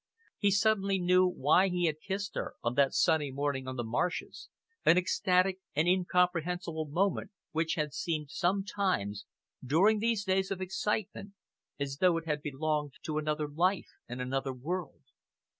He suddenly knew why he had kissed her, on that sunny morning on the marshes, an ecstatic and incomprehensible moment which had seemed sometimes, during these days of excitement, as though it had belonged to another life and another world.